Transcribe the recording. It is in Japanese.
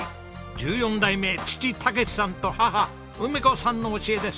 １４代目父武さんと母梅子さんの教えです。